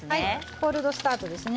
コールドスタートですね。